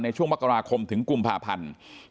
ช่วงมกราคมถึงกุมภาพันธ์